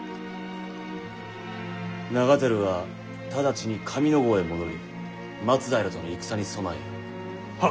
長照は直ちに上ノ郷へ戻り松平との戦に備えよ。